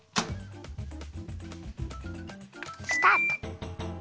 スタート！